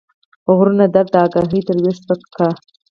غرونه درد داګاهي تر ويښته سپک کا